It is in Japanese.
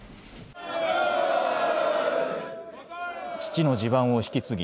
父の地盤を引き継ぎ